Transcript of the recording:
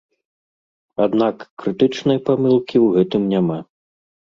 Аднак крытычнай памылкі ў гэтым няма.